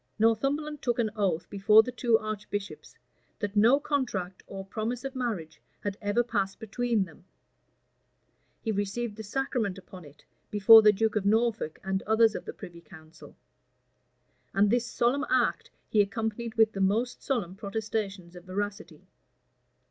Northumberland took an oath before the two archbishops, that no contract or promise of marriage had ever passed between them: he received the sacrament upon it, before the duke of Norfolk and others of the privy council; and this solemn act he accompanied with the most solemn protestations of veracity.